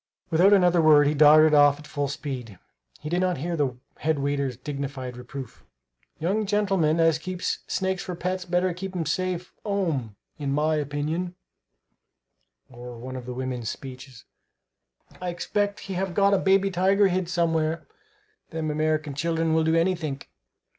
Without another word he darted off at full speed. He did not hear the head waiter's dignified reproof: "Young gentlemen as keeps snakes for pets better keep 'em safe 'ome, in my opinion;" or one of the women's speeches: "I expect he have got a baby tiger hid somewhere; them American children will do anythink!"